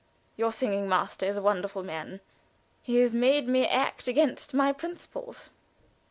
Your singing master is a wonderful man. He has made me act against my principles."